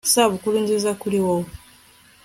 Isabukuru nzizakuri wowe